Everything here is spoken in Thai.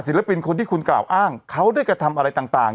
เป็นคนที่คุณกล่าวอ้างเขาได้กระทำอะไรต่าง